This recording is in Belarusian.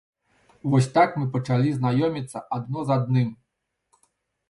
Вось так мы пачалі знаёміцца адно з адным.